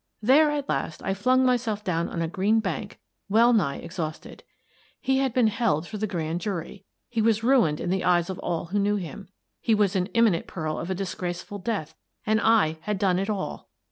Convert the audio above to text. There, at last, I flung myself down on a green bank, well nigh exhausted. He had been held for the grand jury. He was ruined in the eyes of all who knew him. He was in imminent peril of a disgraceful death — and I had done it all